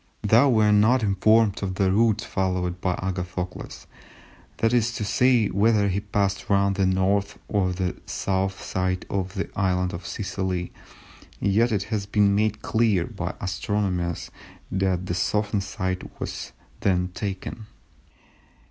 Though we are not informed of the route followed by Agathocles, that is to say whether he passed round the North or the South side of the island of Sicily, yet it has been made clear by astronomers that the southern side was that taken.